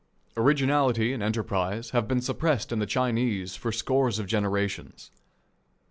Originality and enterprise have been suppressed in the Chinese for scores of generations.